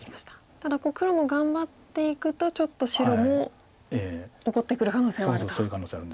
ただ黒も頑張っていくとちょっと白も怒ってくる可能性はあると。